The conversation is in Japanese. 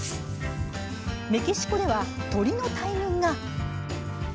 メキシコでは鳥の大群が！